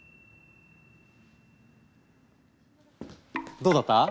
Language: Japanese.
どうだった？